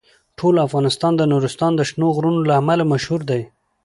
ټول افغانستان د نورستان د شنو غرونو له امله مشهور دی.